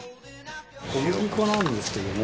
小麦粉なんですけども。